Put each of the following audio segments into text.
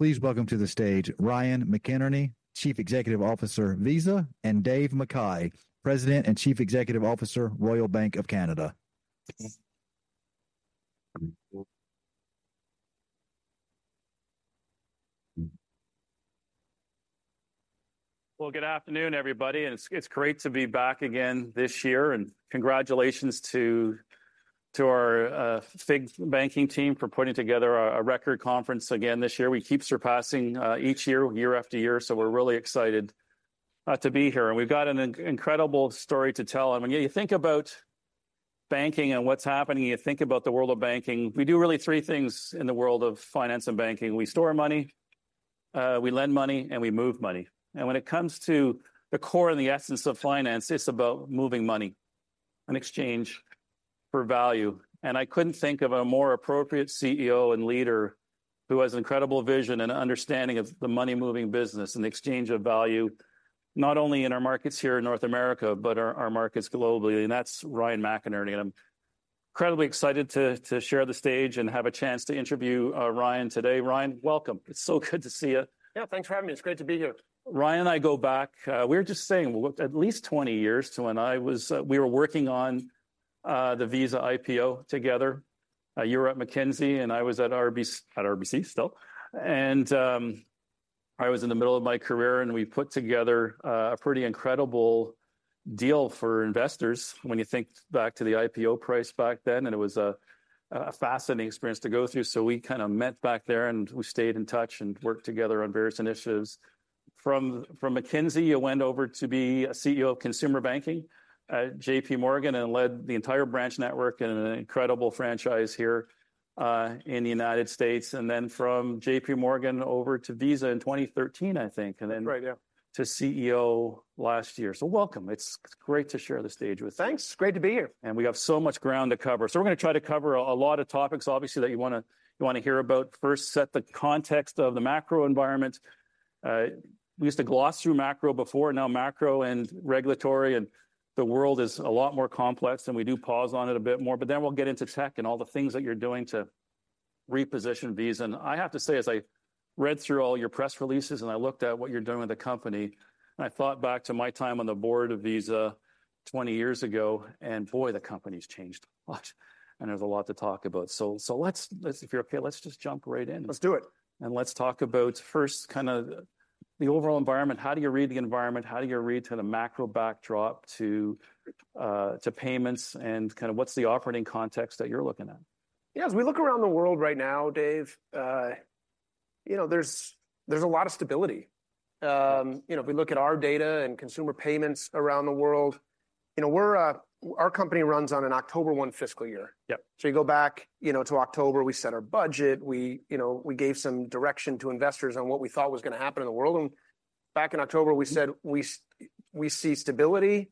Please welcome to the stage Ryan McInerney, Chief Executive Officer Visa, and Dave McKay, President and Chief Executive Officer Royal Bank of Canada. Well, good afternoon, everybody. It's great to be back again this year. Congratulations to our FIG Banking team for putting together a record conference again this year. We keep surpassing each year, year after year. We're really excited to be here. We've got an incredible story to tell. When you think about banking and what's happening, you think about the world of banking. We do really three things in the world of finance and banking. We store money. We lend money, and we move money. When it comes to the core and the essence of finance, it's about moving money and exchange for value. I couldn't think of a more appropriate CEO and leader who has an incredible vision and understanding of the money moving business and the exchange of value. Not only in our markets here in North America, but our markets globally. And that's Ryan McInerney. And I'm incredibly excited to share the stage and have a chance to interview Ryan today. Ryan, welcome. It's so good to see you. Yeah, thanks for having me. It's great to be here. Ryan and I go back. We're just saying at least 20 years to when we were working on the Visa IPO together. You were at McKinsey, and I was at RBC still. I was in the middle of my career, and we put together a pretty incredible deal for investors. When you think back to the IPO price back then, and it was a fascinating experience to go through. So we kind of met back there, and we stayed in touch and worked together on various initiatives. From McKinsey, you went over to be a CEO of consumer banking at JPMorgan and led the entire branch network and an incredible franchise here in the United States. Then from JPMorgan over to Visa in 2013, I think, and then to CEO last year. So welcome. It's great to share the stage with you. Thanks. Great to be here. We have so much ground to cover. We're going to try to cover a lot of topics, obviously, that you want to hear about. First, set the context of the macro environment. We used to gloss through macro before, now macro and regulatory, and the world is a lot more complex, and we do pause on it a bit more. Then we'll get into tech and all the things that you're doing to reposition Visa. I have to say, as I read through all your press releases, and I looked at what you're doing with the company. I thought back to my time on the board of Visa 20 years ago. Boy, the company's changed a lot. There's a lot to talk about. Let's, if you're okay, let's just jump right in. Let's do it. Let's talk about first kind of the overall environment. How do you read the environment? How do you read the macro backdrop to payments and kind of what's the operating context that you're looking at? Yeah, as we look around the world right now, Dave. You know, there's a lot of stability. You know, if we look at our data and consumer payments around the world. You know, our company runs on an October one fiscal year. So you go back, you know, to October, we set our budget. We, you know, we gave some direction to investors on what we thought was going to happen in the world. And back in October, we said we see stability.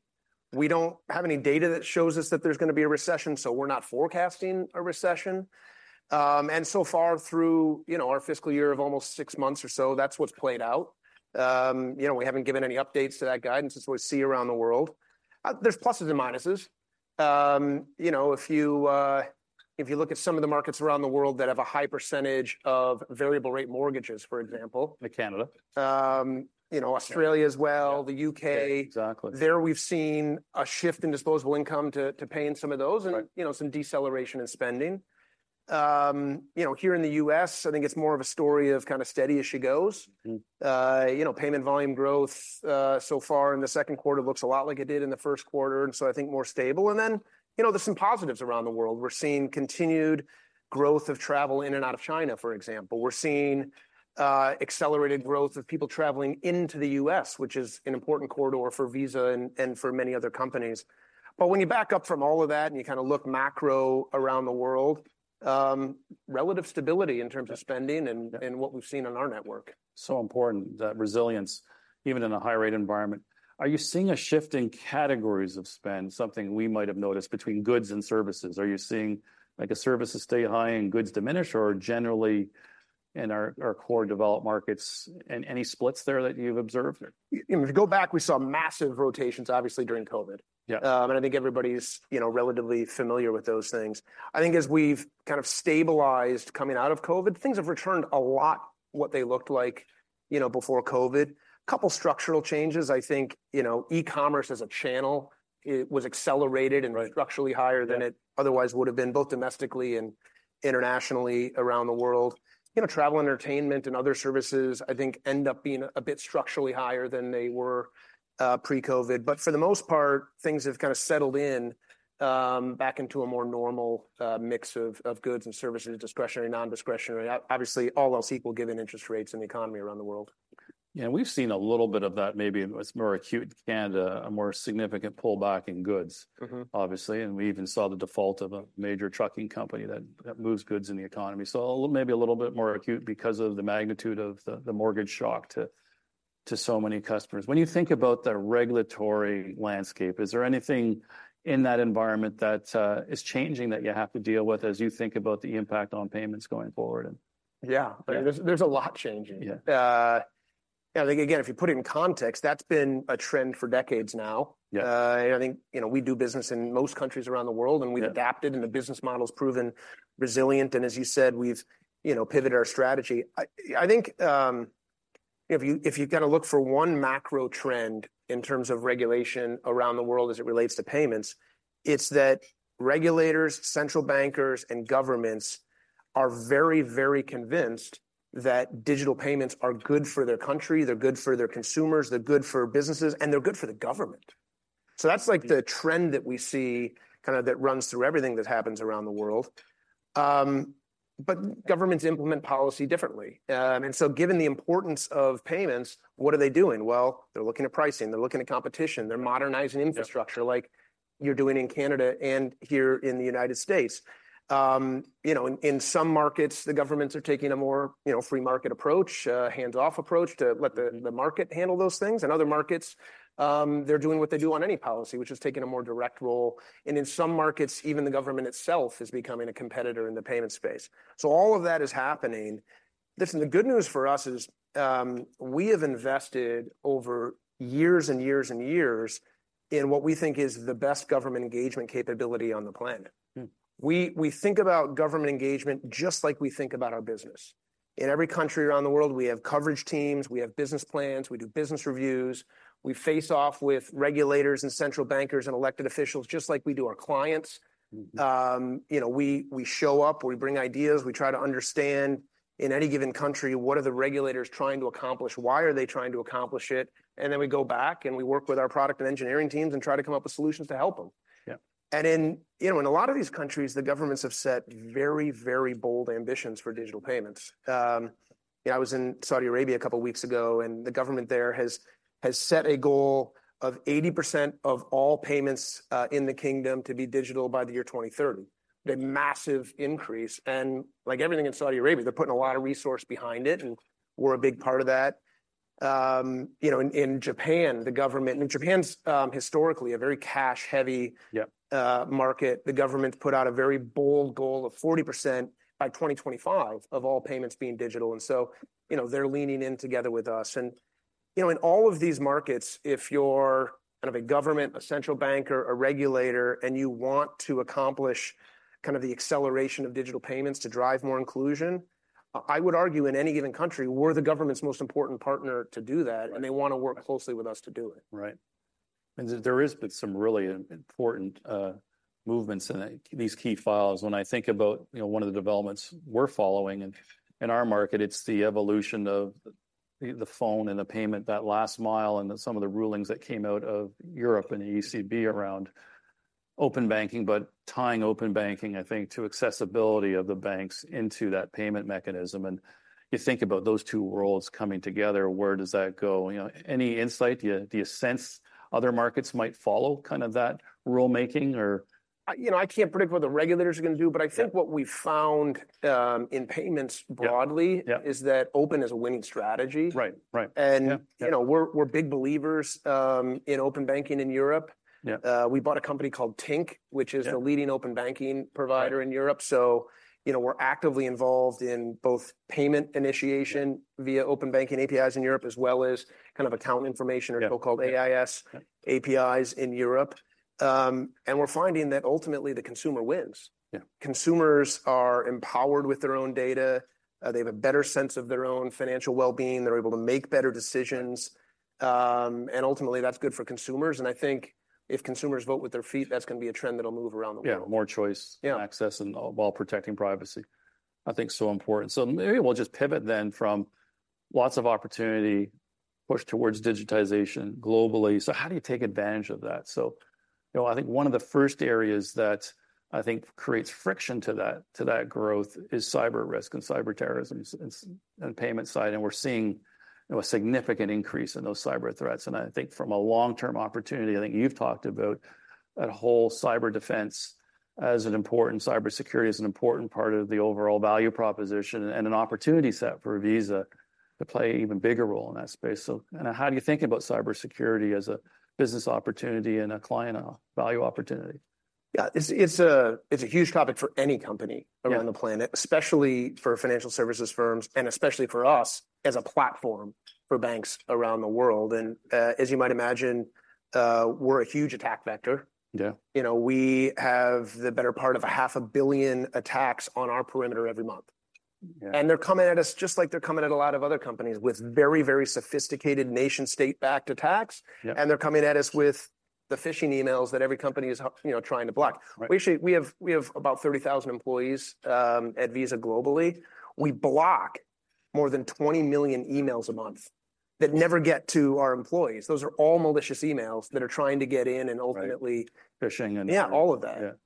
We don't have any data that shows us that there's going to be a recession. So we're not forecasting a recession. And so far through, you know, our fiscal year of almost six months or so, that's what's played out. You know, we haven't given any updates to that guidance. It's what we see around the world. There's pluses and minuses. You know, if you look at some of the markets around the world that have a high percentage of variable rate mortgages, for example. Like Canada. You know, Australia as well, the U.K. There we've seen a shift in disposable income to paying some of those, and you know, some deceleration in spending. You know, here in the U.S., I think it's more of a story of kind of steady as she goes. You know, payment volume growth so far in the second quarter looks a lot like it did in the first quarter. And so I think more stable. And then, you know, there's some positives around the world. We're seeing continued growth of travel in and out of China, for example. We're seeing accelerated growth of people traveling into the U.S., which is an important corridor for Visa and for many other companies. But when you back up from all of that and you kind of look macro around the world, relative stability in terms of spending and what we've seen on our network. So, important that resilience, even in a high rate environment. Are you seeing a shift in categories of spend, something we might have noticed between goods and services? Are you seeing like a services stay high and goods diminish, or generally in our core developed markets, and any splits there that you've observed? If you go back, we saw massive rotations, obviously, during COVID. And I think everybody's, you know, relatively familiar with those things. I think as we've kind of stabilized coming out of COVID, things have returned a lot what they looked like. You know, before COVID. Couple structural changes, I think, you know, e-commerce as a channel. It was accelerated and structurally higher than it otherwise would have been, both domestically and internationally around the world. You know, travel, entertainment, and other services, I think, end up being a bit structurally higher than they were pre-COVID. But for the most part, things have kind of settled in back into a more normal mix of goods and services, discretionary, non-discretionary, obviously all else equal, given interest rates in the economy around the world. Yeah, and we've seen a little bit of that, maybe it's more acute in Canada, a more significant pullback in goods. Obviously. And we even saw the default of a major trucking company that moves goods in the economy. So maybe a little bit more acute because of the magnitude of the mortgage shock to so many customers. When you think about the regulatory landscape, is there anything in that environment that is changing that you have to deal with as you think about the impact on payments going forward? Yeah, there's a lot changing. I think again, if you put it in context, that's been a trend for decades now. I think, you know, we do business in most countries around the world, and we've adapted, and the business model's proven resilient. As you said, we've, you know, pivoted our strategy. I think, you know, if you kind of look for one macro trend in terms of regulation around the world as it relates to payments. It's that regulators, central bankers, and governments are very, very convinced that digital payments are good for their country. They're good for their consumers. They're good for businesses, and they're good for the government. That's like the trend that we see kind of that runs through everything that happens around the world. But governments implement policy differently. Given the importance of payments, what are they doing? Well, they're looking at pricing. They're looking at competition. They're modernizing infrastructure like you're doing in Canada and here in the United States. You know, in some markets, the governments are taking a more, you know, free market approach, hands-off approach to let the market handle those things. In other markets, they're doing what they do on any policy, which is taking a more direct role. And in some markets, even the government itself is becoming a competitor in the payment space. So all of that is happening. Listen, the good news for us is we have invested over years and years and years in what we think is the best government engagement capability on the planet. We think about government engagement just like we think about our business. In every country around the world, we have coverage teams. We have business plans. We do business reviews. We face off with regulators and central bankers and elected officials, just like we do our clients. You know, we show up, we bring ideas, we try to understand. In any given country, what are the regulators trying to accomplish? Why are they trying to accomplish it? And then we go back and we work with our product and engineering teams and try to come up with solutions to help them. And in, you know, in a lot of these countries, the governments have set very, very bold ambitions for digital payments. You know, I was in Saudi Arabia a couple of weeks ago, and the government there has set a goal of 80% of all payments in the kingdom to be digital by the year 2030. A massive increase. And like everything in Saudi Arabia, they're putting a lot of resource behind it. And we're a big part of that. You know, in Japan, the government, and Japan's historically a very cash-heavy market, the government put out a very bold goal of 40% by 2025 of all payments being digital. And so, you know, they're leaning in together with us. And you know, in all of these markets, if you're kind of a government, a central banker, a regulator, and you want to accomplish kind of the acceleration of digital payments to drive more inclusion. I would argue in any given country, we're the government's most important partner to do that, and they want to work closely with us to do it. Right. Means that there is some really important movements in these key files. When I think about, you know, one of the developments we're following in our market, it's the evolution of the phone and the payment, that last mile, and some of the rulings that came out of Europe and the ECB around open banking, but tying open banking, I think, to accessibility of the banks into that payment mechanism. And you think about those two worlds coming together. Where does that go? You know, any insight? Do you sense other markets might follow kind of that rulemaking or? You know, I can't predict what the regulators are going to do, but I think what we've found in payments broadly is that open is a winning strategy. And you know, we're big believers in open banking in Europe. We bought a company called Tink, which is the leading open banking provider in Europe. So you know, we're actively involved in both payment initiation via open banking APIs in Europe, as well as kind of account information or so-called AIS APIs in Europe. And we're finding that ultimately the consumer wins. Consumers are empowered with their own data. They have a better sense of their own financial well-being. They're able to make better decisions. And ultimately that's good for consumers. And I think if consumers vote with their feet, that's going to be a trend that'll move around the world. Yeah, more choice, access, and while protecting privacy. I think so important. Maybe we'll just pivot then from lots of opportunity, push towards digitization globally. How do you take advantage of that? You know, I think one of the first areas that I think creates friction to that growth is cyber risk and cyber terrorism and payment side. And we're seeing a significant increase in those cyber threats. And I think from a long-term opportunity, I think you've talked about that whole cyber defense as an important cybersecurity is an important part of the overall value proposition and an opportunity set for Visa to play an even bigger role in that space. Kind of how do you think about cybersecurity as a business opportunity and a client value opportunity? Yeah, it's a huge topic for any company around the planet, especially for financial services firms, and especially for us as a platform for banks around the world. And as you might imagine, we're a huge attack vector. You know, we have the better part of 500 million attacks on our perimeter every month. And they're coming at us just like they're coming at a lot of other companies with very, very sophisticated nation-state-backed attacks. And they're coming at us with the phishing emails that every company is, you know, trying to block. We have about 30,000 employees at Visa globally. We block more than 20 million emails a month. That never get to our employees. Those are all malicious emails that are trying to get in and ultimately. Phishing and. Yeah, all of that.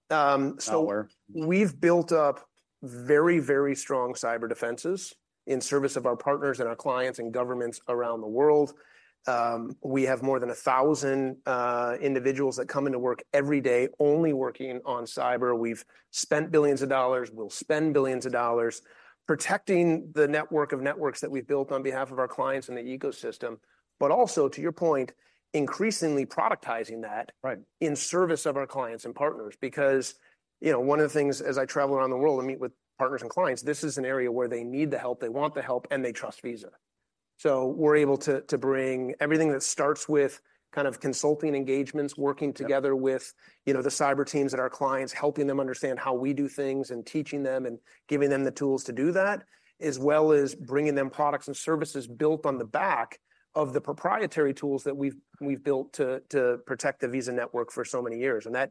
So we've built up very, very strong cyber defenses in service of our partners and our clients and governments around the world. We have more than 1,000 individuals that come into work every day, only working on cyber. We've spent $1 billions. We'll spend $1 billions protecting the network of networks that we've built on behalf of our clients and the ecosystem. But also, to your point, increasingly productizing that in service of our clients and partners, because you know, one of the things, as I travel around the world and meet with partners and clients, this is an area where they need the help, they want the help, and they trust Visa. So we're able to bring everything that starts with kind of consulting engagements, working together with, you know, the cyber teams at our clients, helping them understand how we do things and teaching them and giving them the tools to do that, as well as bringing them products and services built on the back of the proprietary tools that we've built to protect the Visa network for so many years. And that,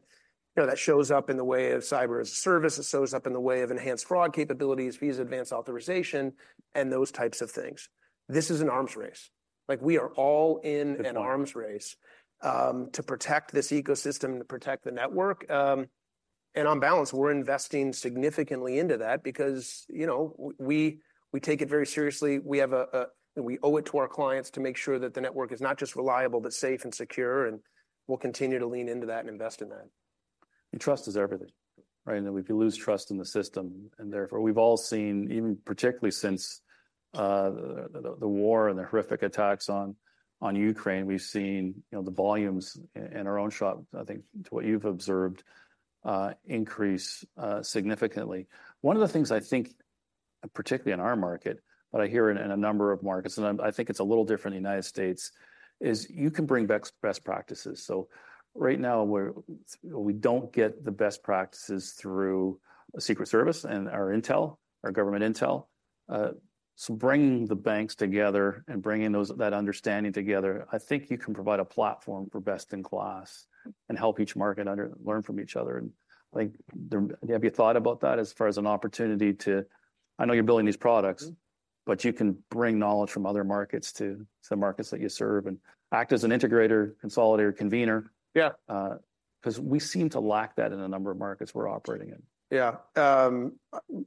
you know, that shows up in the way of cyber as a service. It shows up in the way of enhanced fraud capabilities, Visa Advanced Authorization. And those types of things. This is an arms race. Like we are all in an arms race to protect this ecosystem, to protect the network. And on balance, we're investing significantly into that because, you know, we take it very seriously. We owe it to our clients to make sure that the network is not just reliable, but safe and secure, and we'll continue to lean into that and invest in that. You trust is everything. Right? And if you lose trust in the system, and therefore we've all seen, even particularly since the war and the horrific attacks on Ukraine, we've seen, you know, the volumes in our own shop, I think, to what you've observed increase significantly. One of the things I think, particularly in our market, but I hear in a number of markets, and I think it's a little different in the United States, is you can bring best practices. So right now we're, we don't get the best practices through the Secret Service and our intel, our government intel. So bringing the banks together and bringing that understanding together, I think you can provide a platform for best in class. And help each market learn from each other. And I think, have you thought about that as far as an opportunity to? I know you're building these products. But you can bring knowledge from other markets to the markets that you serve and act as an integrator, consolidator, convener. Yeah, because we seem to lack that in a number of markets we're operating in. Yeah.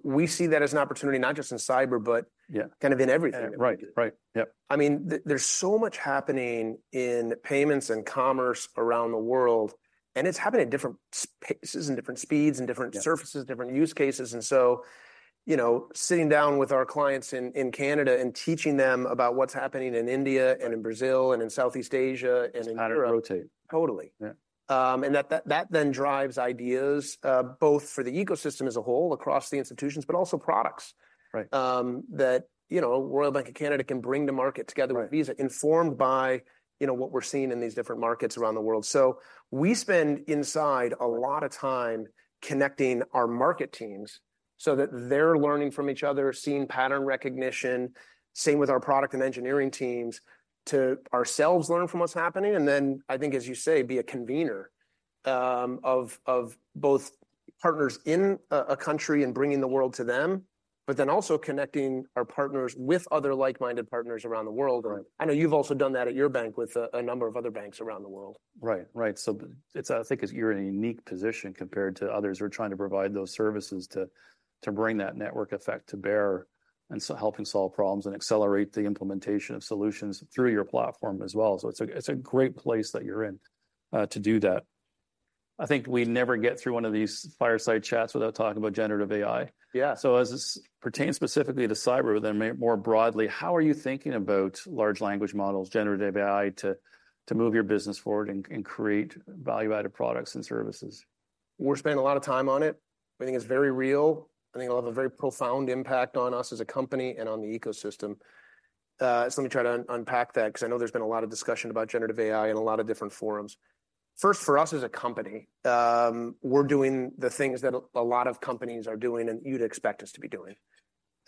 We see that as an opportunity, not just in cyber, but kind of in everything. Right, right. Yep. I mean, there's so much happening in payments and commerce around the world. And it's happening at different spaces and different speeds and different services, different use cases. And so, you know, sitting down with our clients in Canada and teaching them about what's happening in India and in Brazil and in Southeast Asia and in Europe. Totally. And that then drives ideas both for the ecosystem as a whole across the institutions, but also products. That, you know, Royal Bank of Canada can bring to market together with Visa, informed by, you know, what we're seeing in these different markets around the world. So, inside, we spend a lot of time connecting our market teams. So that they're learning from each other, seeing pattern recognition. Same with our product and engineering teams. To ourselves, learn from what's happening. And then I think, as you say, be a convener. Of both partners in a country and bringing the world to them. But then also connecting our partners with other like-minded partners around the world. I know you've also done that at your bank with a number of other banks around the world. Right, right. So it's, I think, you're in a unique position compared to others who are trying to provide those services to bring that network effect to bear. And so helping solve problems and accelerate the implementation of solutions through your platform as well. So it's a great place that you're in. To do that. I think we never get through one of these fireside chats without talking about generative AI. Yeah, so as it pertains specifically to cyber, then more broadly, how are you thinking about large language models, generative AI to move your business forward and create value-added products and services? We're spending a lot of time on it. We think it's very real. I think it'll have a very profound impact on us as a company and on the ecosystem. So let me try to unpack that because I know there's been a lot of discussion about generative AI and a lot of different forums. First, for us as a company, we're doing the things that a lot of companies are doing and you'd expect us to be doing.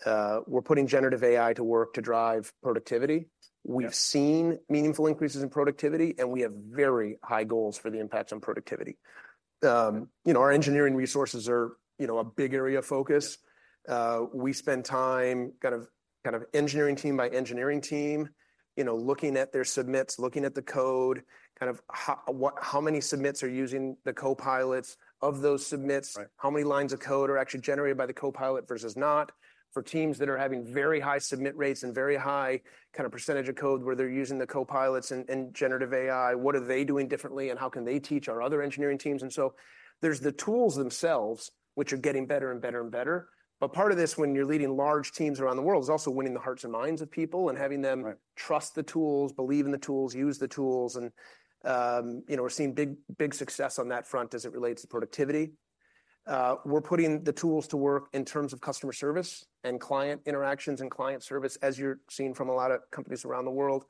We're putting generative AI to work to drive productivity. We've seen meaningful increases in productivity, and we have very high goals for the impacts on productivity. You know, our engineering resources are, you know, a big area of focus. We spend time kind of engineering team by engineering team. You know, looking at their submits, looking at the code, kind of how many submits are using the Copilots of those submits, how many lines of code are actually generated by the Copilot versus not. For teams that are having very high submit rates and very high kind of percentage of code where they're using the Copilots and generative AI, what are they doing differently and how can they teach our other engineering teams? So there's the tools themselves, which are getting better and better and better. But part of this, when you're leading large teams around the world, is also winning the hearts and minds of people and having them trust the tools, believe in the tools, use the tools. And you know, we're seeing big, big success on that front as it relates to productivity. We're putting the tools to work in terms of customer service and client interactions and client service, as you're seeing from a lot of companies around the world.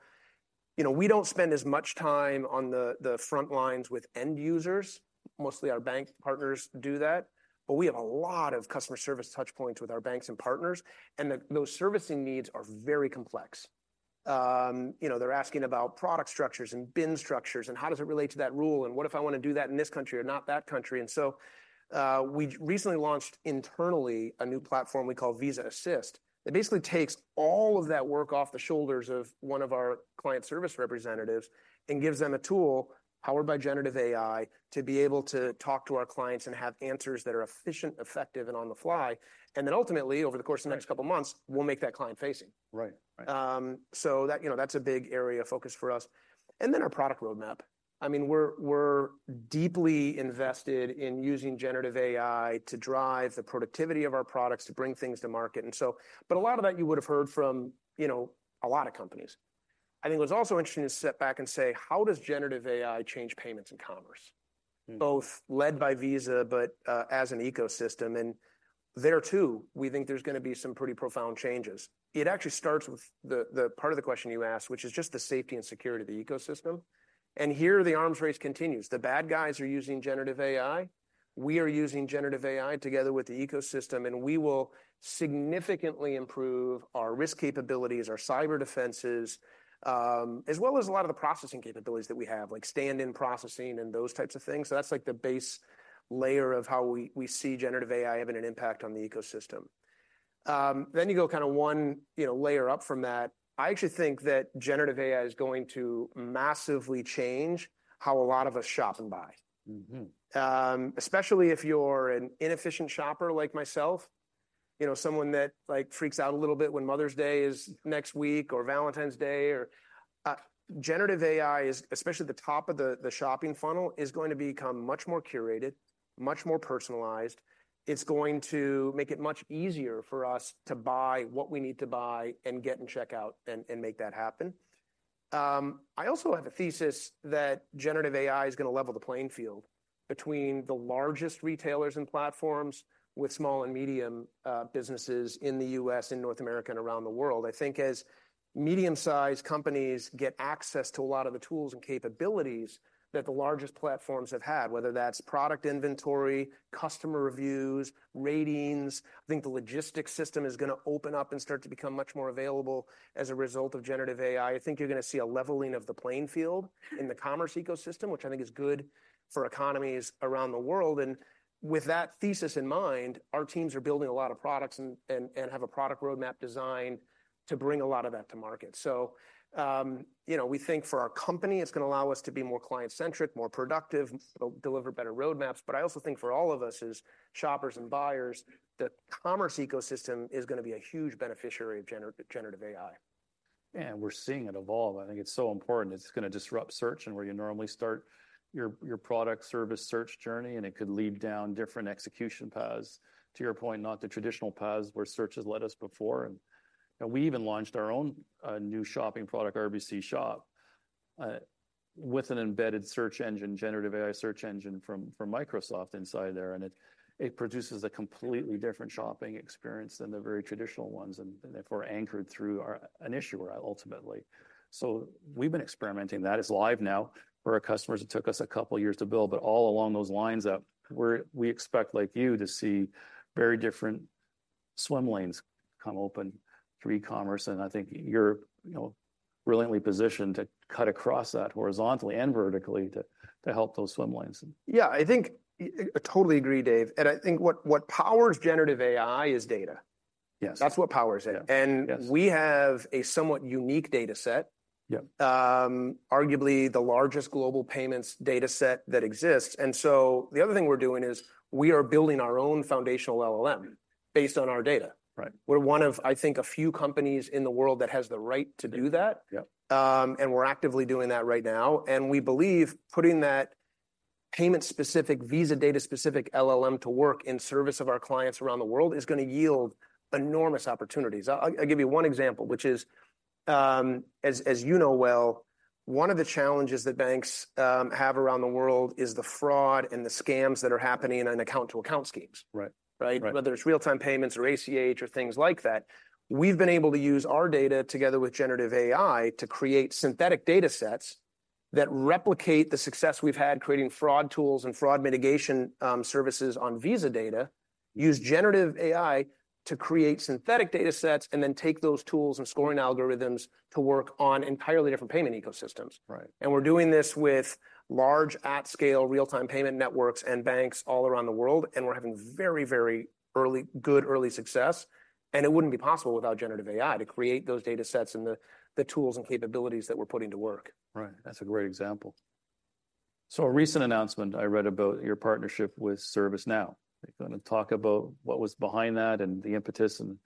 You know, we don't spend as much time on the front lines with end users. Mostly our bank partners do that. But we have a lot of customer service touchpoints with our banks and partners, and those servicing needs are very complex. You know, they're asking about product structures and BIN structures and how does it relate to that rule and what if I want to do that in this country or not that country? And so we recently launched internally a new platform we call Visa Assist. It basically takes all of that work off the shoulders of one of our client service representatives and gives them a tool powered by generative AI to be able to talk to our clients and have answers that are efficient, effective, and on the fly. And then ultimately, over the course of the next couple of months, we'll make that client-facing. Right. So that, you know, that's a big area of focus for us. And then our product roadmap. I mean, we're deeply invested in using generative AI to drive the productivity of our products, to bring things to market. And so, but a lot of that you would have heard from, you know, a lot of companies. I think what's also interesting is to sit back and say, how does generative AI change payments and commerce? Both led by Visa, but as an ecosystem. And there too, we think there's going to be some pretty profound changes. It actually starts with the part of the question you asked, which is just the safety and security of the ecosystem. And here the arms race continues. The bad guys are using generative AI. We are using generative AI together with the ecosystem, and we will significantly improve our risk capabilities, our cyber defenses, as well as a lot of the processing capabilities that we have, like stand-in processing and those types of things. So that's like the base layer of how we see generative AI having an impact on the ecosystem. Then you go kind of one, you know, layer up from that. I actually think that generative AI is going to massively change how a lot of us shop and buy. Especially if you're an inefficient shopper like myself. You know, someone that like freaks out a little bit when Mother's Day is next week or Valentine's Day or generative AI is especially at the top of the shopping funnel is going to become much more curated. Much more personalized. It's going to make it much easier for us to buy what we need to buy and get and check out and make that happen. I also have a thesis that generative AI is going to level the playing field. Between the largest retailers and platforms with small and medium businesses in the U.S., in North America, and around the world. I think as medium-sized companies get access to a lot of the tools and capabilities that the largest platforms have had, whether that's product inventory, customer reviews, ratings, I think the logistics system is going to open up and start to become much more available as a result of generative AI. I think you're going to see a leveling of the playing field in the commerce ecosystem, which I think is good for economies around the world. With that thesis in mind, our teams are building a lot of products and have a product roadmap designed to bring a lot of that to market. You know, we think for our company, it's going to allow us to be more client-centric, more productive, deliver better roadmaps. I also think for all of us as shoppers and buyers, the commerce ecosystem is going to be a huge beneficiary of generative AI. We're seeing it evolve. I think it's so important. It's going to disrupt search and where you normally start your product service search journey, and it could lead down different execution paths. To your point, not the traditional paths where search has led us before. We even launched our own new shopping product, RBC Shop. With an embedded search engine, generative AI search engine from Microsoft inside there, and it produces a completely different shopping experience than the very traditional ones and therefore anchored through an issuer ultimately. We've been experimenting. That is live now for our customers. It took us a couple of years to build, but all along those lines up, we expect like you to see very different swim lanes come open through e-commerce. I think you're, you know, brilliantly positioned to cut across that horizontally and vertically to help those swim lanes. Yeah, I think totally agree, Dave. And I think what powers generative AI is data. That's what powers it. And we have a somewhat unique data set. Arguably the largest global payments data set that exists. And so the other thing we're doing is we are building our own foundational LLM based on our data. We're one of, I think, a few companies in the world that has the right to do that. And we're actively doing that right now. And we believe putting that payment-specific, Visa data-specific LLM to work in service of our clients around the world is going to yield enormous opportunities. I'll give you one example, which is, as you know well, one of the challenges that banks have around the world is the fraud and the scams that are happening in account-to-account schemes. Right? Whether it's real-time payments or ACH or things like that. We've been able to use our data together with generative AI to create synthetic data sets that replicate the success we've had creating fraud tools and fraud mitigation services on Visa data. Use generative AI to create synthetic data sets and then take those tools and scoring algorithms to work on entirely different payment ecosystems. We're doing this with large at-scale real-time payment networks and banks all around the world. We're having very, very early, good early success. It wouldn't be possible without generative AI to create those data sets and the tools and capabilities that we're putting to work. Right. That's a great example. So a recent announcement I read about your partnership with ServiceNow. They're going to talk about what was behind that and the impetus and,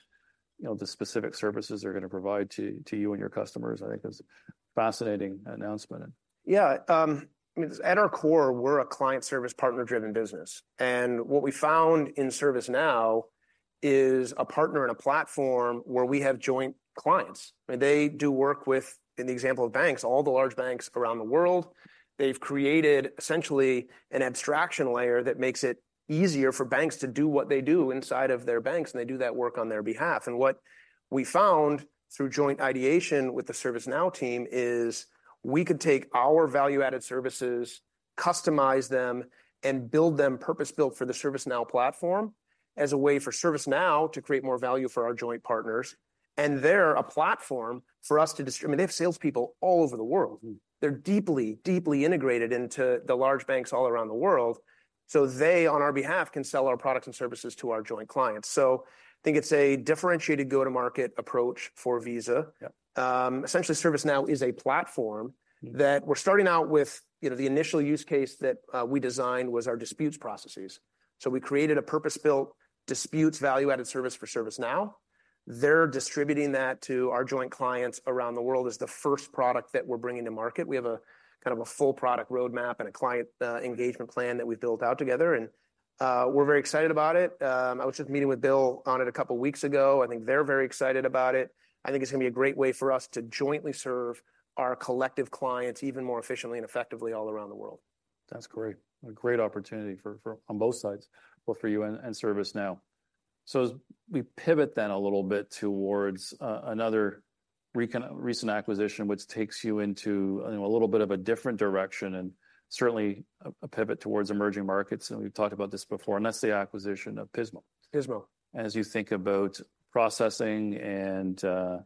you know, the specific services they're going to provide to you and your customers. I think it's a fascinating announcement. Yeah. I mean, at our core, we're a client service partner-driven business. What we found in ServiceNow is a partner and a platform where we have joint clients. I mean, they do work with, in the example of banks, all the large banks around the world. They've created essentially an abstraction layer that makes it easier for banks to do what they do inside of their banks, and they do that work on their behalf. What we found through joint ideation with the ServiceNow team is we could take our value-added services, customize them, and build them purpose-built for the ServiceNow platform. As a way for ServiceNow to create more value for our joint partners. They're a platform for us to, I mean, they have salespeople all over the world. They're deeply, deeply integrated into the large banks all around the world. So they on our behalf can sell our products and services to our joint clients. So I think it's a differentiated go-to-market approach for Visa. Essentially, ServiceNow is a platform that we're starting out with, you know, the initial use case that we designed was our disputes processes. So we created a purpose-built disputes value-added service for ServiceNow. They're distributing that to our joint clients around the world as the first product that we're bringing to market. We have a kind of a full product roadmap and a client engagement plan that we've built out together. And we're very excited about it. I was just meeting with Bill on it a couple of weeks ago. I think they're very excited about it. I think it's going to be a great way for us to jointly serve our collective clients even more efficiently and effectively all around the world. That's great. A great opportunity for on both sides, both for you and ServiceNow. So as we pivot then a little bit towards another recent acquisition, which takes you into a little bit of a different direction and certainly a pivot towards emerging markets. And we've talked about this before, and that's the acquisition of Pismo. And as you think about processing and a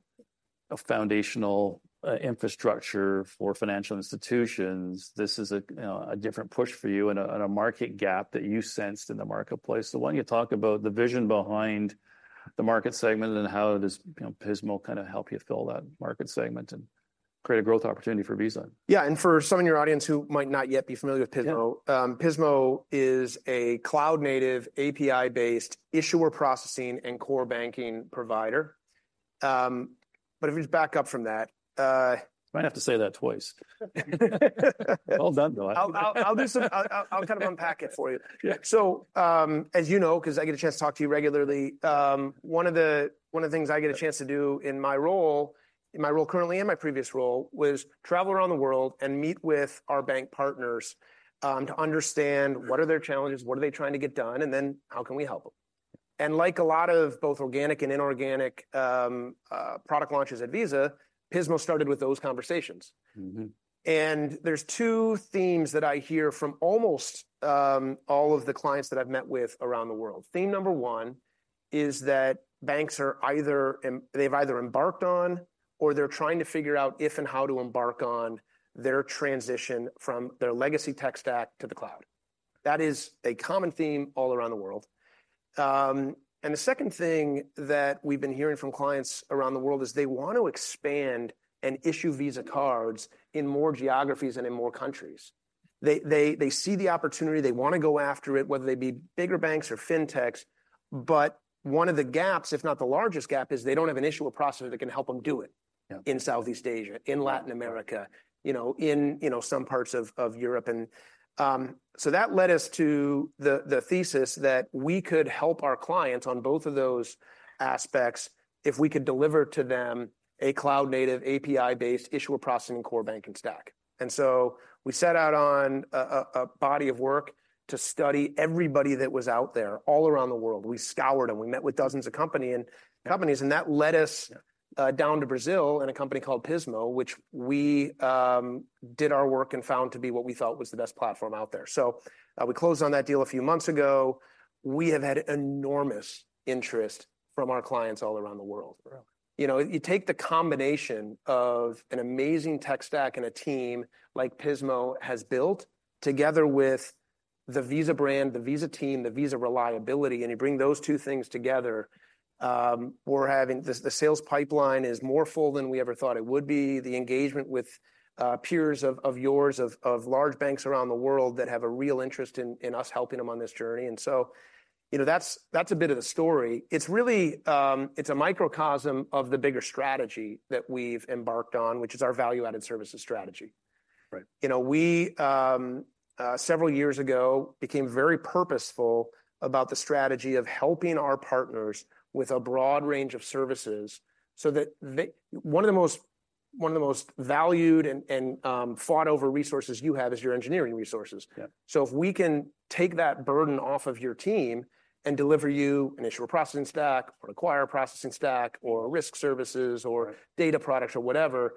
foundational infrastructure for financial institutions, this is a different push for you and a market gap that you sensed in the marketplace. The one you talk about, the vision behind the market segment and how does Pismo kind of help you fill that market segment and create a growth opportunity for Visa? Yeah, and for some in your audience who might not yet be familiar with Pismo, Pismo is a cloud-native API-based issuer processing and core banking provider. But if you just back up from that. Might have to say that twice. Well done, Bill. I'll do some, I'll kind of unpack it for you. Yeah, so as you know, because I get a chance to talk to you regularly, one of the things I get a chance to do in my role, in my role currently and my previous role, was travel around the world and meet with our bank partners. To understand what are their challenges, what are they trying to get done, and then how can we help them? Like a lot of both organic and inorganic product launches at Visa, Pismo started with those conversations. There's two themes that I hear from almost all of the clients that I've met with around the world. Theme number one is that banks are either, they've either embarked on or they're trying to figure out if and how to embark on their transition from their legacy tech stack to the cloud. That is a common theme all around the world. The second thing that we've been hearing from clients around the world is they want to expand and issue Visa cards in more geographies and in more countries. They see the opportunity, they want to go after it, whether they be bigger banks or fintechs. But one of the gaps, if not the largest gap, is they don't have an issuer processor that can help them do it. In Southeast Asia, in Latin America, you know, some parts of Europe. And so that led us to the thesis that we could help our clients on both of those aspects if we could deliver to them a cloud-native API-based issuer processing and core banking stack. And so we set out on a body of work to study everybody that was out there all around the world. We scoured them. We met with dozens of companies and that led us down to Brazil and a company called Pismo, which we did our work and found to be what we thought was the best platform out there. So we closed on that deal a few months ago. We have had enormous interest from our clients all around the world. You know, you take the combination of an amazing tech stack and a team like Pismo has built together with the Visa brand, the Visa team, the Visa reliability, and you bring those two things together. We're having the sales pipeline is more full than we ever thought it would be, the engagement with peers of yours, of large banks around the world that have a real interest in us helping them on this journey. And so, you know, that's a bit of the story. It's really, it's a microcosm of the bigger strategy that we've embarked on, which is our value-added services strategy. You know, we several years ago became very purposeful about the strategy of helping our partners with a broad range of services. So that one of the most, one of the most valued and fought over resources you have is your engineering resources. So if we can take that burden off of your team and deliver you an issuer processing stack or an acquirer processing stack or risk services or data products or whatever,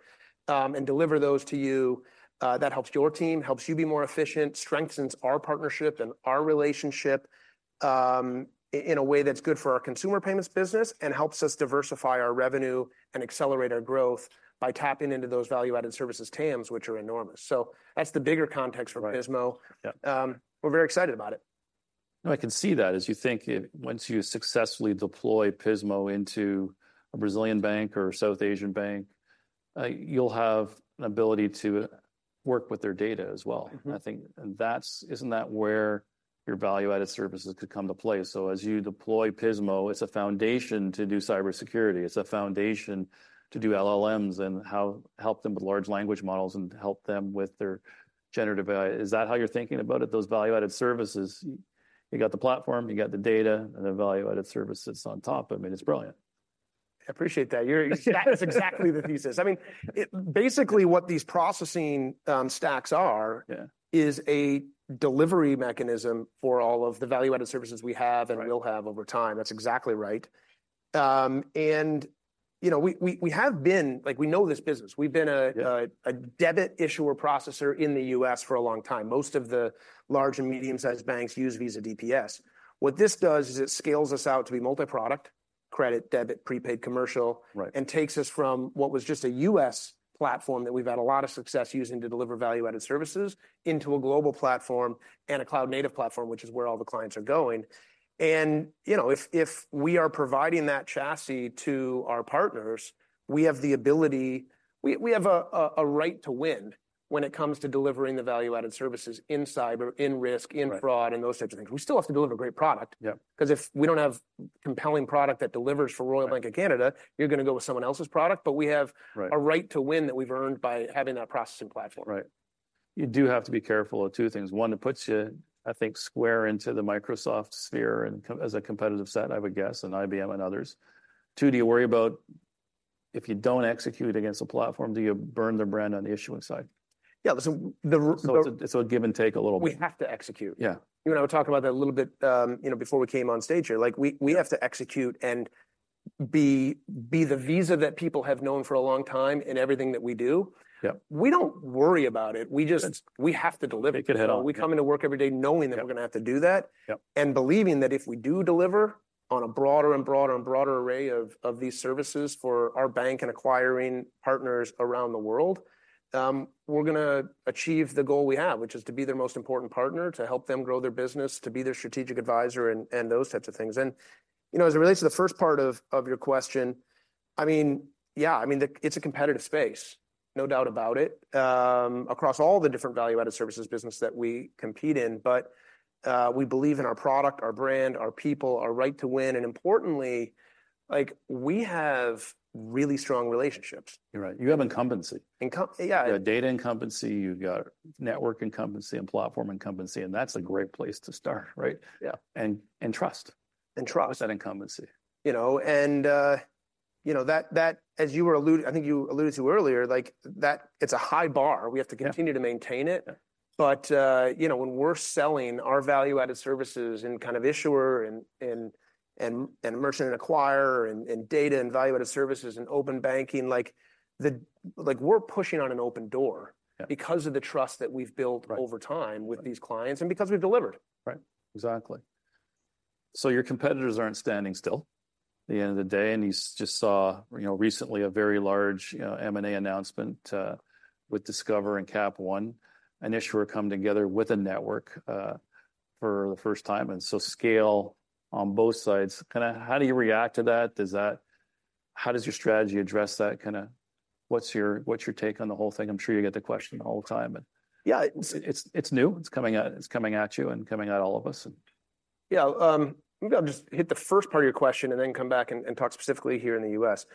and deliver those to you, that helps your team, helps you be more efficient, strengthens our partnership and our relationship in a way that's good for our consumer payments business and helps us diversify our revenue and accelerate our growth by tapping into those value-added services TAMs, which are enormous. So that's the bigger context for Pismo. We're very excited about it. No, I can see that as you think once you successfully deploy Pismo into a Brazilian bank or a South Asian bank, you'll have an ability to work with their data as well. I think, and that's, isn't that where your value-added services could come to play? So as you deploy Pismo, it's a foundation to do cybersecurity. It's a foundation to do LLMs and how help them with large language models and help them with their generative AI. Is that how you're thinking about it? Those value-added services. You got the platform, you got the data and the value-added services on top of it. It's brilliant. I appreciate that. That's exactly the thesis. I mean, basically what these processing stacks are is a delivery mechanism for all of the value-added services we have and will have over time. That's exactly right. You know, we have been, like we know this business, we've been a debit issuer processor in the U.S. for a long time. Most of the large and medium-sized banks use Visa DPS. What this does is it scales us out to be multi-product. Credit, debit, prepaid, commercial, and takes us from what was just a U.S. platform that we've had a lot of success using to deliver value-added services into a global platform and a cloud-native platform, which is where all the clients are going. You know, if we are providing that chassis to our partners, we have the ability, we have a right to win when it comes to delivering the value-added services in cyber, in risk, in fraud, and those types of things. We still have to deliver a great product. Because if we don't have a compelling product that delivers for Royal Bank of Canada, you're going to go with someone else's product, but we have a right to win that we've earned by having that processing platform. You do have to be careful of two things. One, it puts you, I think, square into the Microsoft sphere as a competitive set, I would guess, and IBM and others. Two, do you worry about if you don't execute against a platform, do you burn their brand on the issuing side? Yeah, listen, the. It's a give and take a little bit. We have to execute. Yeah, you and I were talking about that a little bit, you know, before we came on stage here, like we have to execute and be the Visa that people have known for a long time in everything that we do. We don't worry about it. We just, we have to deliver. We come into work every day knowing that we're going to have to do that. And believing that if we do deliver on a broader and broader and broader array of these services for our bank and acquiring partners around the world, we're going to achieve the goal we have, which is to be their most important partner, to help them grow their business, to be their strategic advisor and those types of things. You know, as it relates to the first part of your question, I mean, yeah, I mean, it's a competitive space. No doubt about it. Across all the different value-added services business that we compete in, but we believe in our product, our brand, our people, our right to win, and importantly, like we have really strong relationships. You're right. You have incumbency. You got data incumbency, you've got network incumbency and platform incumbency, and that's a great place to start, right? Yeah, and trust. And trust. That incumbency. You know, and, you know, that, as you were alluded, I think you alluded to earlier, like that, it's a high bar. We have to continue to maintain it. But, you know, when we're selling our value-added services in kind of issuer and merchant and acquirer and data and value-added services and open banking, like we're pushing on an open door because of the trust that we've built over time with these clients and because we've delivered. Right. Exactly. So your competitors aren't standing still. At the end of the day, and you just saw, you know, recently a very large M&A announcement with Discover and Capital One. An issuer come together with a network for the first time and so scale on both sides. Kind of how do you react to that? Does that, how does your strategy address that kind of? What's your take on the whole thing? I'm sure you get the question the whole time. Yeah, it's new. It's coming at you and coming at all of us. Yeah, maybe I'll just hit the first part of your question and then come back and talk specifically here in the U.S.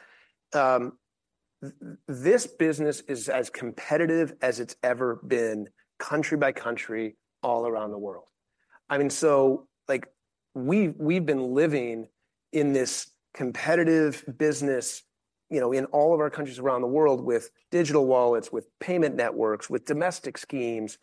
This business is as competitive as it's ever been country by country all around the world. I mean, so like we've been living in this competitive business, you know, in all of our countries around the world with digital wallets, with payment networks, with domestic schemes.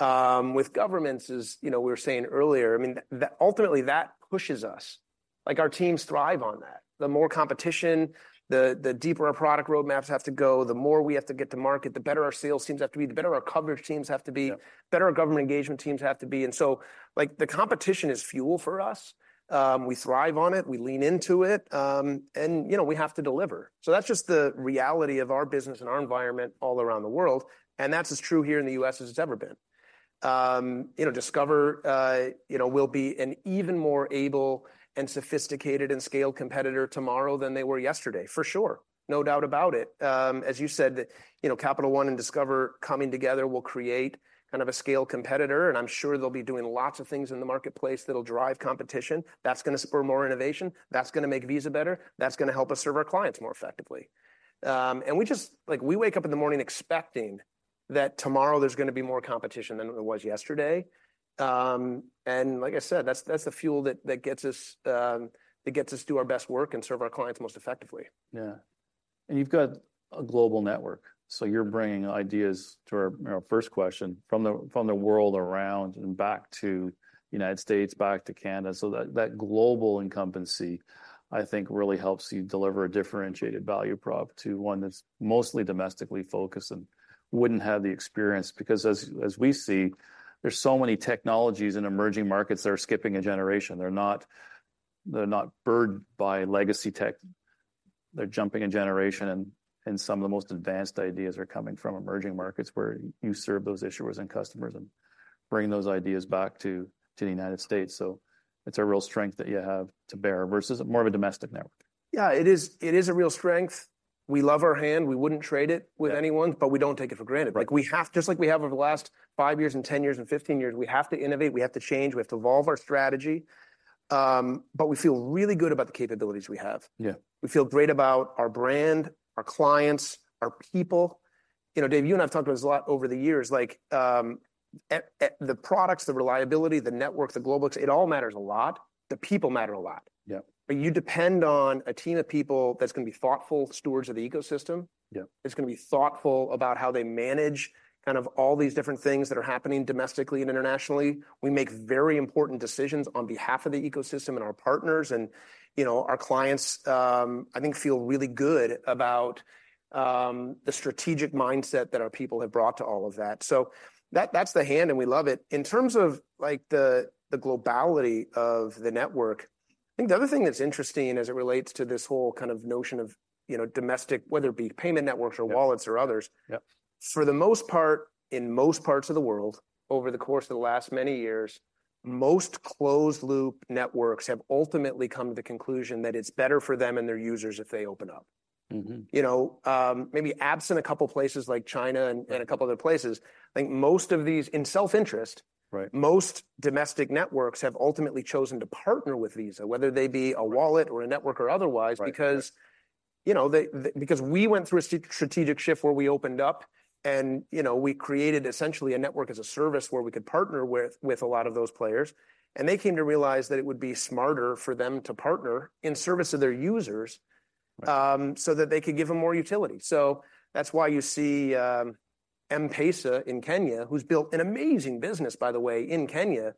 With governments is, you know, we were saying earlier, I mean, that ultimately that pushes us. Like our teams thrive on that. The more competition, the deeper our product roadmaps have to go, the more we have to get to market, the better our sales teams have to be, the better our coverage teams have to be, better our government engagement teams have to be. And so like the competition is fuel for us. We thrive on it, we lean into it. You know, we have to deliver. That's just the reality of our business and our environment all around the world. That's as true here in the U.S. as it's ever been. You know, Discover, you know, will be an even more able and sophisticated and scaled competitor tomorrow than they were yesterday. For sure. No doubt about it. As you said, you know, Capital One and Discover coming together will create kind of a scale competitor and I'm sure they'll be doing lots of things in the marketplace that'll drive competition. That's going to spur more innovation. That's going to make Visa better. That's going to help us serve our clients more effectively. And we just, like we wake up in the morning expecting that tomorrow there's going to be more competition than there was yesterday. Like I said, that's the fuel that gets us to do our best work and serve our clients most effectively. Yeah. You've got a global network. So you're bringing ideas to our first question from the world around and back to the United States, back to Canada. That global incumbency, I think, really helps you deliver a differentiated value prop to one that's mostly domestically focused and wouldn't have the experience because as we see, there's so many technologies in emerging markets that are skipping a generation. They're not burdened by legacy tech. They're jumping a generation and some of the most advanced ideas are coming from emerging markets where you serve those issuers and customers and bring those ideas back to the United States. It's a real strength that you have to bear versus more of a domestic network. Yeah, it is a real strength. We love our hand. We wouldn't trade it with anyone, but we don't take it for granted. Like we have, just like we have over the last five years and 10 years and 15 years, we have to innovate, we have to change, we have to evolve our strategy. But we feel really good about the capabilities we have. Yeah, we feel great about our brand, our clients, our people. You know, Dave, you and I have talked about this a lot over the years, like the products, the reliability, the network, the global experience, it all matters a lot. The people matter a lot. Yeah, you depend on a team of people that's going to be thoughtful stewards of the ecosystem. It's going to be thoughtful about how they manage kind of all these different things that are happening domestically and internationally. We make very important decisions on behalf of the ecosystem and our partners and, you know, our clients, I think, feel really good about the strategic mindset that our people have brought to all of that. So that's the hand and we love it. In terms of like the globality of the network, I think the other thing that's interesting as it relates to this whole kind of notion of, you know, domestic, whether it be payment networks or wallets or others. For the most part, in most parts of the world, over the course of the last many years, most closed-loop networks have ultimately come to the conclusion that it's better for them and their users if they open up. You know, maybe absent a couple of places like China and a couple of other places, I think most of these in self-interest, most domestic networks have ultimately chosen to partner with Visa, whether they be a wallet or a network or otherwise, because, you know, because we went through a strategic shift where we opened up and, you know, we created essentially a network as a service where we could partner with a lot of those players. They came to realize that it would be smarter for them to partner in service of their users. So that they could give them more utility. So that's why you see M-Pesa in Kenya, who's built an amazing business, by the way, in Kenya,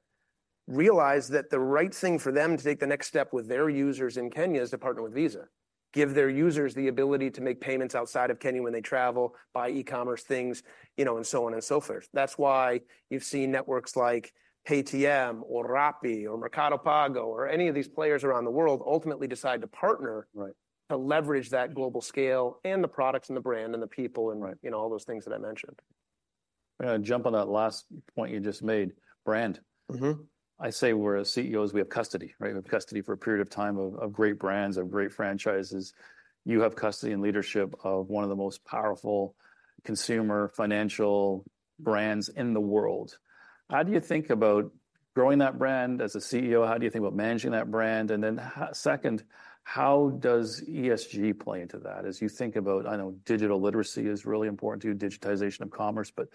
realize that the right thing for them to take the next step with their users in Kenya is to partner with Visa. Give their users the ability to make payments outside of Kenya when they travel, buy e-commerce things, you know, and so on and so forth. That's why you've seen networks like Paytm or Rappi or Mercado Pago or any of these players around the world ultimately decide to partner to leverage that global scale and the products and the brand and the people and, you know, all those things that I mentioned. I'm going to jump on that last point you just made. Brand. I say we're CEOs, we have custody, right? We have custody for a period of time of great brands, of great franchises. You have custody and leadership of one of the most powerful consumer financial brands in the world. How do you think about growing that brand as a CEO? How do you think about managing that brand? And then second, how does ESG play into that as you think about, I know digital literacy is really important to you, digitization of commerce, but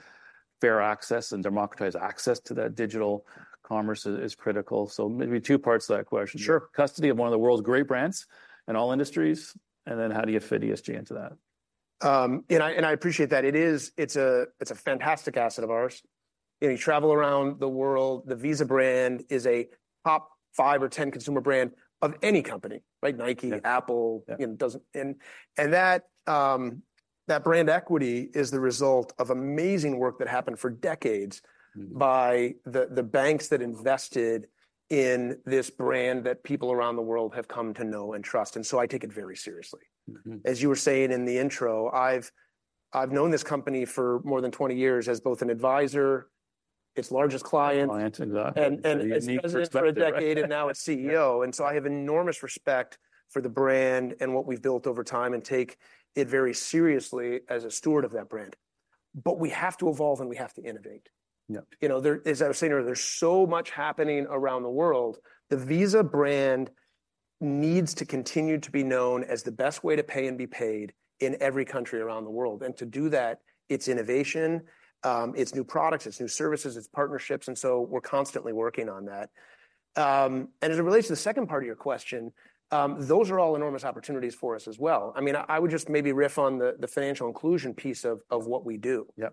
fair access and democratized access to that digital commerce is critical. So maybe two parts to that question. Sure. Custody of one of the world's great brands in all industries. And then how do you fit ESG into that? I appreciate that. It is, it's a fantastic asset of ours. You know, you travel around the world, the Visa brand is a top 5 or 10 consumer brand of any company, right? Nike, Apple, you know, doesn't, and that brand equity is the result of amazing work that happened for decades by the banks that invested in this brand that people around the world have come to know and trust. I take it very seriously. As you were saying in the intro, I've known this company for more than 20 years as both an advisor, its largest client, and its president for a decade, and now its CEO. I have enormous respect for the brand and what we've built over time and take it very seriously as a steward of that brand. But we have to evolve and we have to innovate. You know, as I was saying earlier, there's so much happening around the world. The Visa brand needs to continue to be known as the best way to pay and be paid in every country around the world. And to do that, it's innovation. It's new products, it's new services, it's partnerships. And so we're constantly working on that. And as it relates to the second part of your question, those are all enormous opportunities for us as well. I mean, I would just maybe riff on the financial inclusion piece of what we do. You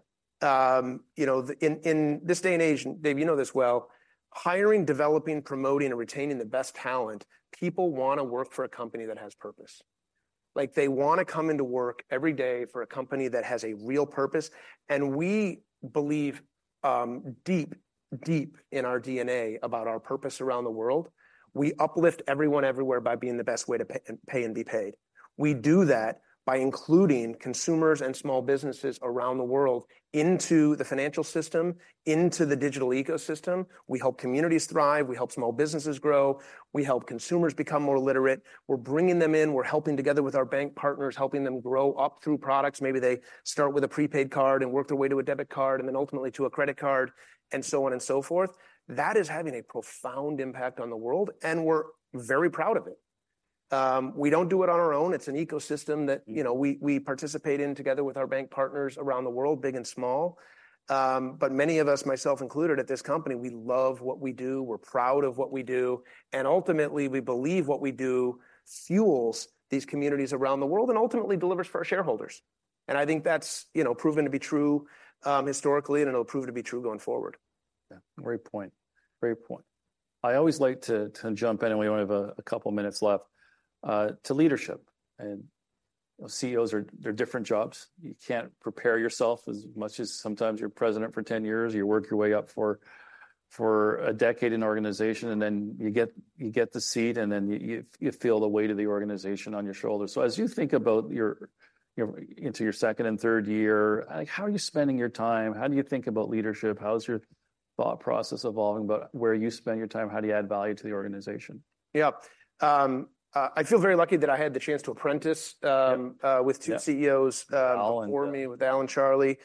know, in this day and age, and Dave, you know this well, hiring, developing, promoting, and retaining the best talent, people want to work for a company that has purpose. Like they want to come into work every day for a company that has a real purpose. We believe deep, deep in our DNA about our purpose around the world. We uplift everyone everywhere by being the best way to pay and be paid. We do that by including consumers and small businesses around the world into the financial system, into the digital ecosystem. We help communities thrive, we help small businesses grow. We help consumers become more literate. We're bringing them in, we're helping together with our bank partners, helping them grow up through products. Maybe they start with a prepaid card and work their way to a debit card and then ultimately to a credit card and so on and so forth. That is having a profound impact on the world and we're very proud of it. We don't do it on our own. It's an ecosystem that, you know, we participate in together with our bank partners around the world, big and small. But many of us, myself included, at this company, we love what we do. We're proud of what we do. And ultimately, we believe what we do fuels these communities around the world and ultimately delivers for our shareholders. And I think that's, you know, proven to be true historically and it'll prove to be true going forward. Yeah, great point. Great point. I always like to jump in and we only have a couple of minutes left. To leadership and CEOs, there are different jobs. You can't prepare yourself as much as sometimes you're president for 10 years or you work your way up for a decade in an organization and then you get the seat and then you feel the weight of the organization on your shoulders. So as you think about your second and third year, how are you spending your time? How do you think about leadership? How is your thought process evolving about where you spend your time? How do you add value to the organization? Yeah. I feel very lucky that I had the chance to apprentice with two CEOs before me with Al and Charlie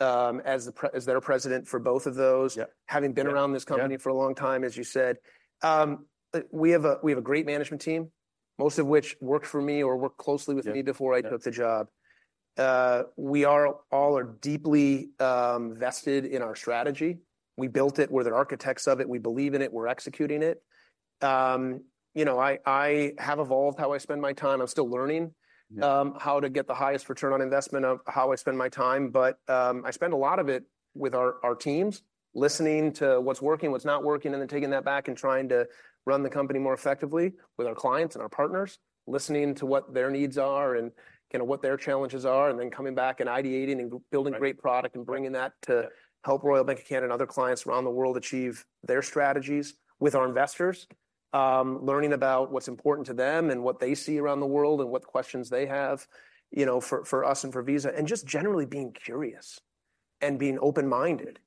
as their president for both of those, having been around this company for a long time, as you said. We have a great management team, most of which worked for me or worked closely with me before I took the job. We all are deeply vested in our strategy. We built it, we're the architects of it, we believe in it, we're executing it. You know, I have evolved how I spend my time. I'm still learning how to get the highest return on investment of how I spend my time, but I spend a lot of it with our teams, listening to what's working, what's not working, and then taking that back and trying to run the company more effectively with our clients and our partners, listening to what their needs are and kind of what their challenges are and then coming back and ideating and building great product and bringing that to help Royal Bank of Canada and other clients around the world achieve their strategies with our investors. Learning about what's important to them and what they see around the world and what questions they have, you know, for us and for Visa and just generally being curious. Being open-minded.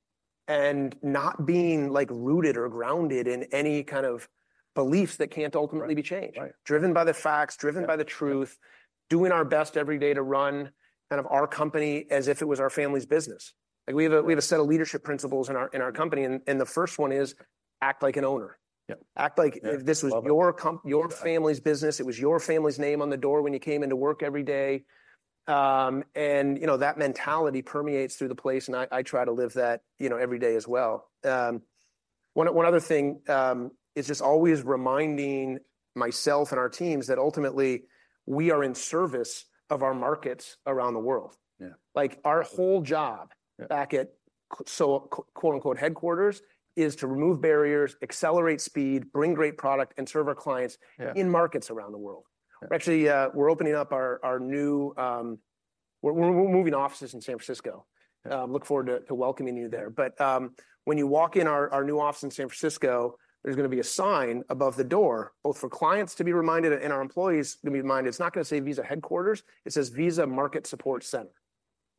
Not being like rooted or grounded in any kind of beliefs that can't ultimately be changed. Driven by the facts, driven by the truth. Doing our best every day to run kind of our company as if it was our family's business. Like we have a set of leadership principles in our company and the first one is act like an owner. Act like if this was your family's business, it was your family's name on the door when you came into work every day. And you know, that mentality permeates through the place and I try to live that, you know, every day as well. One other thing is just always reminding myself and our teams that ultimately we are in service of our markets around the world. Yeah, like our whole job back at so quote unquote headquarters is to remove barriers, accelerate speed, bring great product, and serve our clients in markets around the world. Actually, we're opening up our new, we're moving offices in San Francisco. Look forward to welcoming you there. But when you walk in our new office in San Francisco, there's going to be a sign above the door, both for clients to be reminded and our employees to be reminded. It's not going to say Visa headquarters; it says Visa Market Support Center.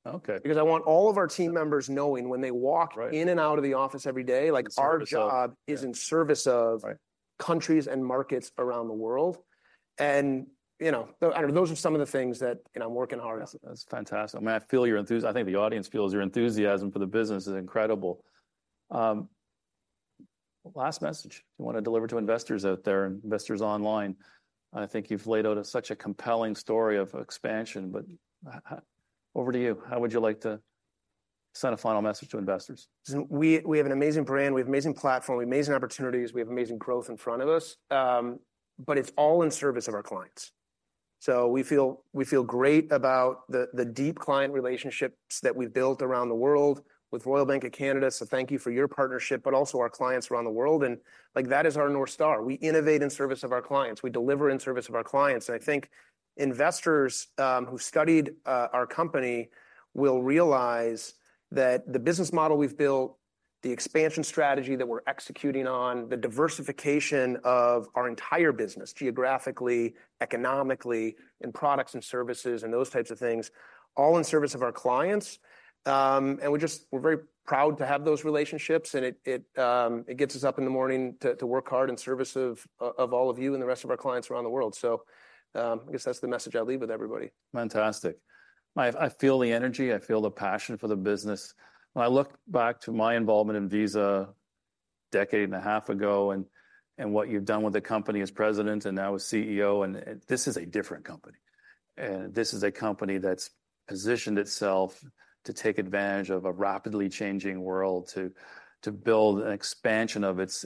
Okay, because I want all of our team members knowing when they walk in and out of the office every day, like our job is in service of countries and markets around the world. And you know, I don't know, those are some of the things that, you know, I'm working hard on. That's fantastic. I mean, I feel your enthusiasm. I think the audience feels your enthusiasm for the business is incredible. Last message you want to deliver to investors out there and investors online. I think you've laid out such a compelling story of expansion, but over to you. How would you like to send a final message to investors? We have an amazing brand, we have an amazing platform, we have amazing opportunities, we have amazing growth in front of us. But it's all in service of our clients. So we feel great about the deep client relationships that we've built around the world with Royal Bank of Canada. So thank you for your partnership, but also our clients around the world. And like that is our North Star. We innovate in service of our clients. We deliver in service of our clients. And I think investors who studied our company will realize that the business model we've built, the expansion strategy that we're executing on, the diversification of our entire business geographically, economically, and products and services and those types of things, all in service of our clients. We're just, we're very proud to have those relationships and it gets us up in the morning to work hard in service of all of you and the rest of our clients around the world. I guess that's the message I leave with everybody. Fantastic. I feel the energy, I feel the passion for the business. When I look back to my involvement in Visa a decade and a half ago and what you've done with the company as President and now as CEO, this is a different company. This is a company that's positioned itself to take advantage of a rapidly changing world to build an expansion of its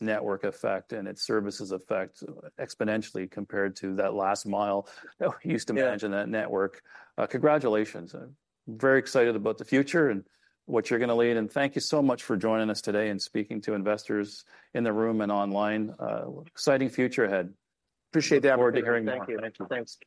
network effect and its services effect exponentially compared to that last mile that we used to manage in that network. Congratulations. Very excited about the future and what you're going to lead. Thank you so much for joining us today and speaking to investors in the room and online. Exciting future ahead. Appreciate that. Thank you. Thanks.